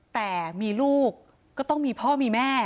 แต่มีลูกก็ต้องมีพ่อมีแม่